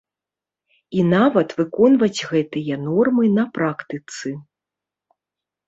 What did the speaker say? І нават выконваць гэтыя нормы на практыцы.